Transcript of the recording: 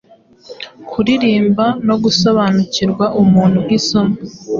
kuririmba nogusobanukirwa umuntu nkisomo